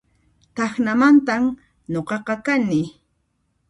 Tacnamantan nuqaqa kani